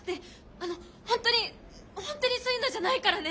あの本当に本当にそういうのじゃないからね。